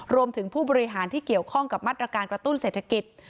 ผู้บริหารที่เกี่ยวข้องกับมาตรการกระตุ้นเศรษฐกิจ